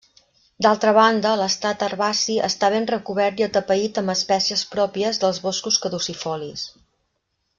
D’altra banda, l’estrat herbaci està ben recobert i atapeït amb espècies pròpies dels boscos caducifolis.